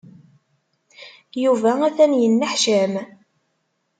Yuba atan yenneḥcam.